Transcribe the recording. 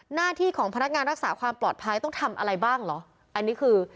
หน้าที่ของพนักงานรักษาความปลอดภัยต้องทำอะไรบ้างเหรออันนี้คือ